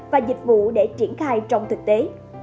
và dịch vụ để triển khai trong thực tế